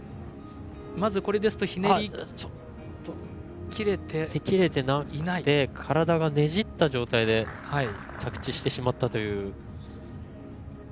ひねり切れていなくて体がねじった状態で着地してしまったという。